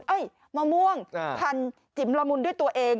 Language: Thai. มะม่วงพันจิ๋มละมุนด้วยตัวเอง